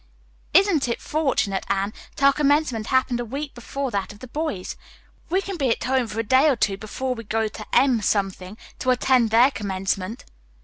"Isn't it fortunate, Anne, that our commencement happened a week before that of the boys? We can be at home for a day or two before we go to M to attend their commencement."